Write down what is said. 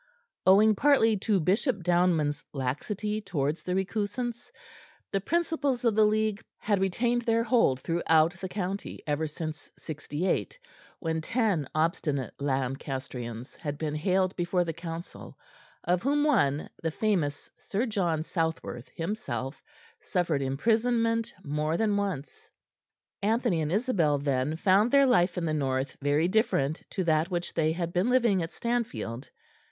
Owing partly to Bishop Downman's laxity towards the recusants, the principles of the League had retained their hold throughout the county, ever since '68, when ten obstinate Lancastrians had been haled before the Council, of whom one, the famous Sir John Southworth himself, suffered imprisonment more than once. Anthony and Isabel then found their life in the North very different to that which they had been living at Stanfield.